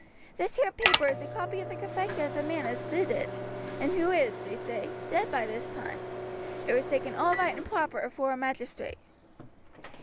This here paper is a copy of the confession of the man as did it, and who is, they say, dead by this time. It was taken all right and proper afore a magistrate."